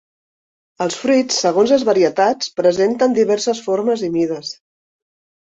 Els fruits, segons les varietats, presenten diverses formes i mides.